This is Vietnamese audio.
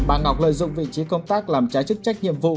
bà ngọc lợi dụng vị trí công tác làm trái chức trách nhiệm vụ